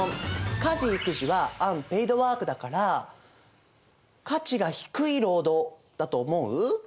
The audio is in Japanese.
家事・育児はアンペイドワークだから価値が低い労働だと思う？